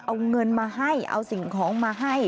เอาเงินมาให้เอาสิ่งของมาให้